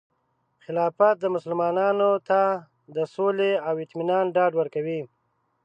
خلافت مسلمانانو ته د سولې او اطمینان ډاډ ورکوي.